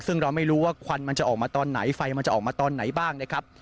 ซึ่งเราไม่รู้ว่าควันมันจะออกมาตอนไหนไฟมันจะออกมาตอนไหนบ้างนะครับ